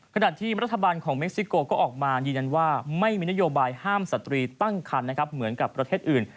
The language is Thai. ขณะที่รัฐบาลของเม็กซิโกก็ออกมายืนยันว่าไม่มีนโยบายห้ามสตรีตั้งคันนะครับเหมือนกับประเทศอื่น